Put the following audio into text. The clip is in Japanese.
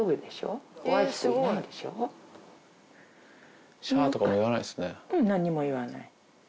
うん何にもいわない。